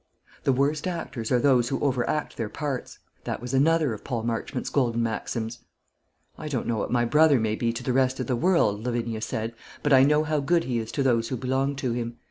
"The worst actors are those who over act their parts." That was another of Paul Marchmont's golden maxims. "I don't know what my brother may be to the rest of the world," Lavinia said; "but I know how good he is to those who belong to him.